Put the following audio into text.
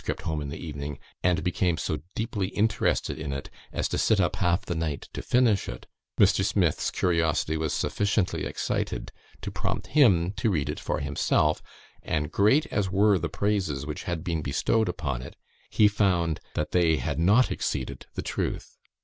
home in the evening, and became so deeply interested in it, as to sit up half the night to finish it, Mr. Smith's curiosity was sufficiently excited to prompt him to read it for himself; and great as were the praises which had been bestowed upon it, he found that they had not exceeded the truth.